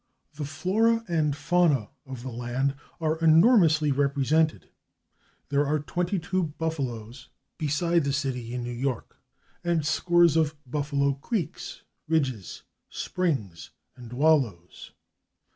The flora and fauna of the land are enormously represented. There are twenty two /Buffalos/ beside the city in New York, and scores of /Buffalo Creeks/, /Ridges/, /Springs/ and /Wallows